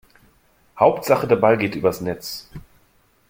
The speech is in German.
Hauptsache der Ball geht übers Netz.